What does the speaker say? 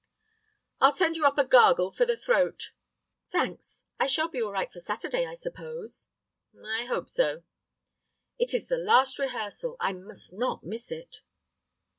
"I'll send you up a gargle for the throat." "Thanks. I shall be all right for Saturday, I suppose?" "I hope so." "It is the last rehearsal. I must not miss it."